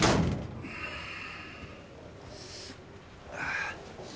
ああ。